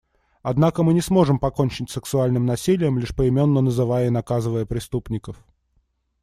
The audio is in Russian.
Однако мы не сможем покончить с сексуальным насилием, лишь поименно называя и наказывая преступников.